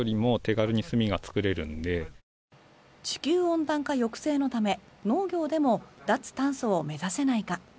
地球温暖化抑制のため農業でも脱炭素を目指せないか。